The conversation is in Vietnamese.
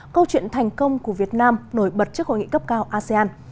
câu chuyện thành công của việt nam nổi bật trước hội nghị cấp cao asean